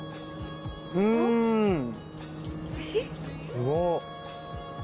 すごっ！